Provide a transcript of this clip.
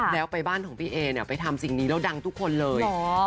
แล้วไปบ้านของพี่เอเนี่ยไปทำสิ่งนี้แล้วดังทุกคนเลย